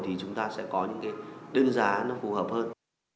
thì chúng ta sẽ có những cái đơn giá nó phù hợp hơn